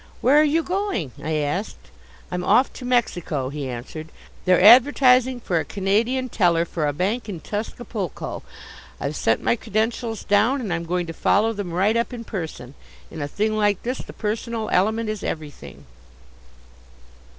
"Where are you going?" I asked. "I'm off to Mexico," he answered. "They're advertising for a Canadian teller for a bank in Tuscapulco. I've sent my credentials down, and I'm going to follow them right up in person. In a thing like this, the personal element is everything."